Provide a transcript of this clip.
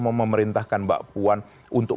memerintahkan mbak puan untuk